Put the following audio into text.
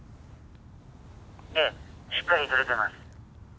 ええしっかり撮れてます。